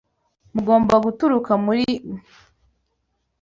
mugomba guturuka muri mwe